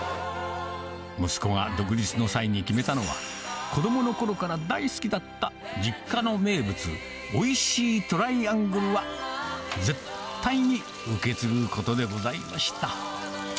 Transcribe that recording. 息子が独立の際に決めたのは、子どものころから大好きだった実家の名物、おいしいトライアングルは絶対に受け継ぐことでございました。